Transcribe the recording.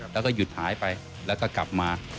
แล้วก็หยุดหายไปแล้วก็กลับมา